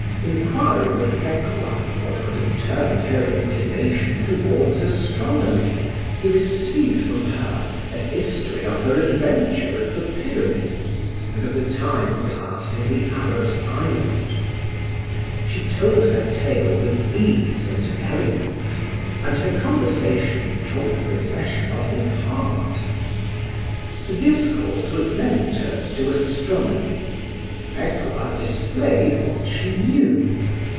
Inquiring of Pekuah what could have turned her inclination towards astronomy, he received from her a history of her adventure at the Pyramid, and of the time passed in the Arab's island. She told her tale with ease and elegance, and her conversation took possession of his heart. The discourse was then turned to astronomy. Pekuah displayed what she knew.